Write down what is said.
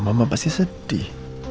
mama pasti sedih